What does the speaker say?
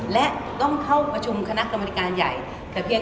และต้องเข้าประชุมคณะกรรมนิการใหญ่